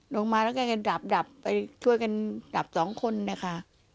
ลงมาแล้วก็กันดับไปช่วยกันดับสองคนนะคะ